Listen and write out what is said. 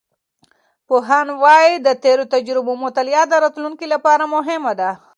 پوهاند وایي، د تیرو تجربو مطالعه د راتلونکي لپاره مهمه ده.